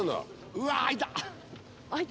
「うわあ開いた！」